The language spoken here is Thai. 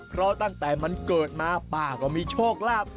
เพราะตั้งแต่มันเกิดมาป้าก็มีโชคลาภ